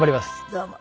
どうも。